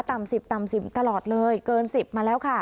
ต่ำสิบต่ำสิบตลอดเลยเกินสิบมาแล้วค่ะ